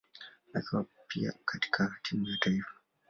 akiwa pia katika timu ya taifa.